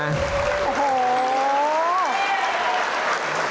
โอ้โห